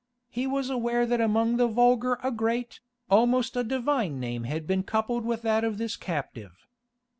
He was aware that among the vulgar a great, almost a divine name had been coupled with that of this captive.